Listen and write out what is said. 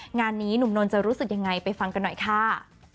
งานนี้หนุ่มนนท์จะรู้สึกยังไงไปฟังกันหน่อยค่ะ